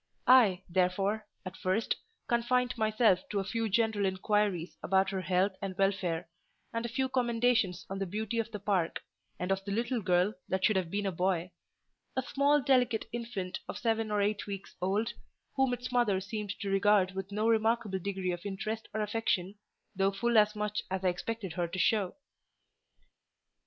I, therefore, at first, confined myself to a few general inquiries about her health and welfare, and a few commendations on the beauty of the park, and of the little girl that should have been a boy: a small delicate infant of seven or eight weeks old, whom its mother seemed to regard with no remarkable degree of interest or affection, though full as much as I expected her to show.